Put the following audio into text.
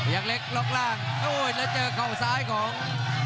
อย่างเล็กล็อกล่างโอ้ยแล้วเจอเข่าซ้ายของ